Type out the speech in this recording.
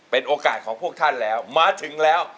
เป็นโอกาสของพวกท่านแล้วมาถึงแล้ว